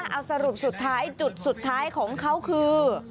เอาสรุปสุดท้ายจุดสุดท้ายของเขาคือ